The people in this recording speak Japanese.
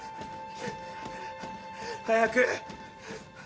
早く！